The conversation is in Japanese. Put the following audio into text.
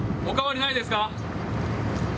お変わりないですか？